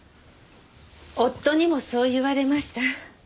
夫にもそう言われました。